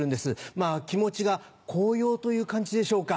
まぁ気持ちがコウヨウという感じでしょうか。